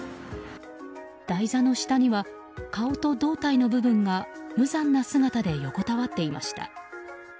台座の下には顔と胴体の部分が無残な姿で横たわっていました。